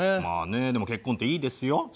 まあねでも結婚っていいですよ。